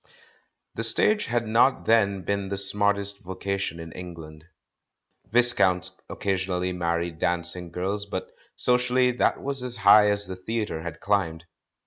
The stage had not then become the smartest vocation in England. Viscounts occasionally married dancing girls, but socially that was as high as the theatre had climbed.